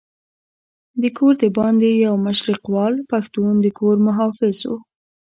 د کور دباندې یو مشرقیوال پښتون د کور محافظ وو.